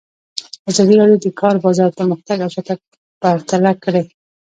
ازادي راډیو د د کار بازار پرمختګ او شاتګ پرتله کړی.